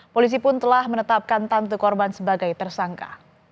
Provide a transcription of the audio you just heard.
polisi pun telah menetapkan tantu korban sebagai tersangka